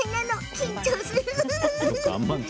緊張する。